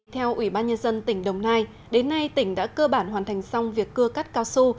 theo ủy ban nhân dân tỉnh đồng nai đến nay tỉnh đã cơ bản hoàn thành xong việc cưa cắt cao su